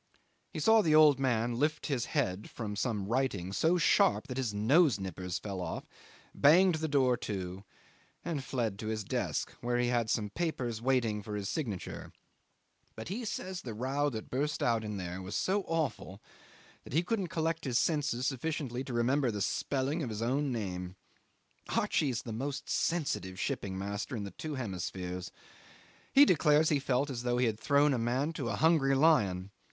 He saw the old man lift his head from some writing so sharp that his nose nippers fell off, banged the door to, and fled to his desk, where he had some papers waiting for his signature: but he says the row that burst out in there was so awful that he couldn't collect his senses sufficiently to remember the spelling of his own name. Archie's the most sensitive shipping master in the two hemispheres. He declares he felt as though he had thrown a man to a hungry lion.